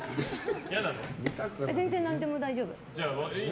全然なんでも大丈夫。